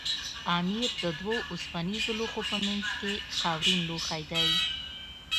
امیر د دوو اوسپنیزو لوښو په منځ کې خاورین لوښی دی.